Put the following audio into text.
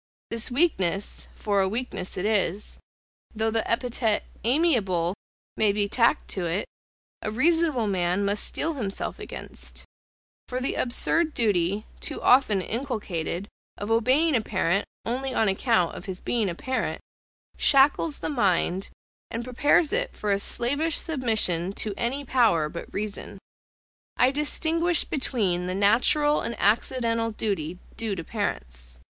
This weakness, for a weakness it is, though the epithet AMIABLE may be tacked to it, a reasonable man must steel himself against; for the absurd duty, too often inculcated, of obeying a parent only on account of his being a parent, shackles the mind, and prepares it for a slavish submission to any power but reason. I distinguish between the natural and accidental duty due to parents.